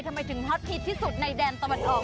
ทำไมถึงฮอตฮิตที่สุดในแดนตะวันออก